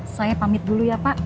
saya pamit dulu ya pak